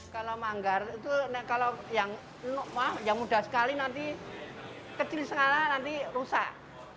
kalau manggar itu kalau yang mudah sekali nanti kecil sekali nanti rusak